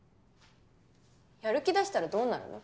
やる気出したらどうなるの？